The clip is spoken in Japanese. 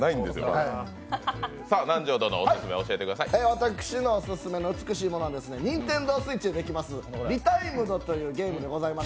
私のオススメの美しいものはＮｉｎｔｅｎｄｏＳｗｉｔｃｈでできます「Ｒｅｔｉｍｅｄ」というゲームです。